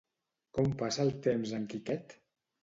Com passa el temps en Quiquet?